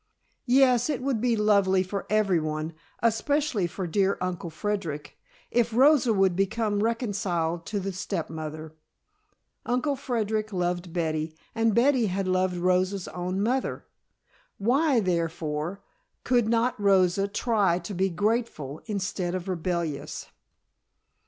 Yes, it would be lovely for everyone, especially for dear Uncle Frederic, if Rosa would become reconciled to the stepmother. Uncle Frederic loved Betty and Betty had loved Rosa's own mother; why, therefore, could not Rosa try to be grateful instead of rebellious?